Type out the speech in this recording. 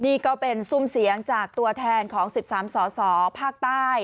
นี่ก็เป็นซุ่มเสียงจากตัวแทนของ๑๓สสภาคใต้